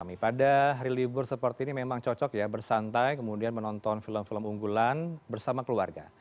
kami pada hari libur seperti ini memang cocok ya bersantai kemudian menonton film film unggulan bersama keluarga